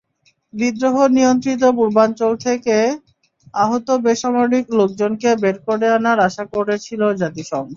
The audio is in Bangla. বিদ্রোহী-নিয়ন্ত্রিত পূর্বাঞ্চল থেকে আহত বেসামরিক লোকজনকে বের করে আনার আশা করেছিল জাতিসংঘ।